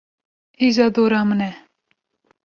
Îja dor a min e.